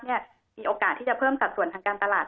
มีโอกาสที่จะเพิ่มสัดส่วนทางการตลาด